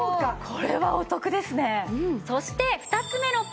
これはお得ですね。